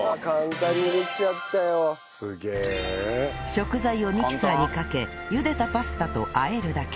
食材をミキサーにかけ茹でたパスタと和えるだけ